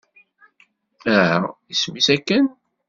Aha, isem-is akken?